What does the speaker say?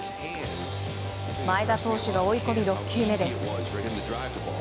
前田投手が追い込み６球目です。